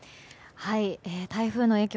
台風の影響